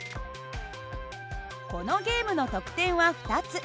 このゲームの得点は２つ。